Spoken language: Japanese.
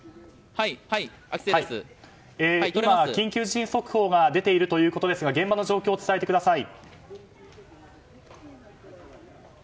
緊急地震速報が出ているということですが現場の状況を伝えてください。